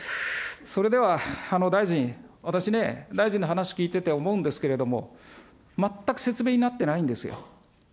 それでは大臣、私ね、大臣の話聞いてて思うんですけれども、全く説明になってないんですよ。